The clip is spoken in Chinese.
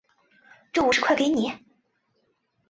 这五十块给你